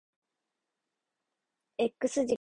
X 軸 Y 軸